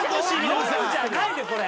ノブじゃないですこれ。